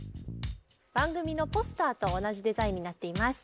番組のポスターと同じデザインになっています。